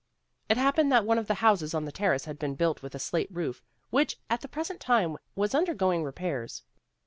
It happened that one of the houses on the Terrace had been built with a slate roof, which at the present time was undergoing repairs.